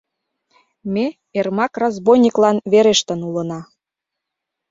Ме Эрмак-разбойниклан верештын улына.